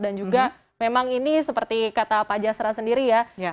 dan juga memang ini seperti kata pak jasra sendiri ya